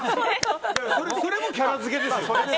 それもキャラ付けですよね。